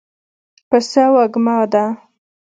پسه وږمه ده.